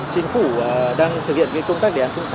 chính phủ đang thực hiện công tác đề án sáu